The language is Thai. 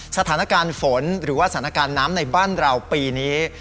สถานการณ์ฝนหรือว่าสถานการณ์น้ำในบ้านเราปีนี้